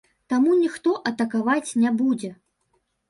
Таму ніхто атакаваць не будзе.